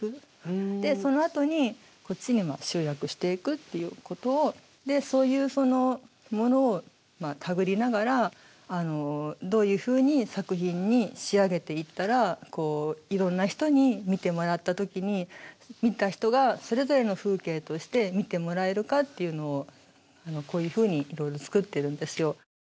でそのあとにこっちにも集約していくっていうことをそういうものをたぐりながらどういうふうに作品に仕上げていったらいろんな人に見てもらった時に見た人がそれぞれの風景として見てもらえるかっていうのをこういうふうにいろいろ作ってるんですよ。